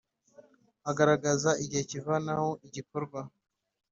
Agaragaza igihe kivanaho igikorwa